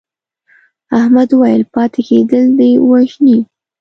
احمد وویل پاتې کېدل دې وژني.